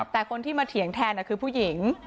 แต่คนที่มาเถียงแทนคือผู้หญิง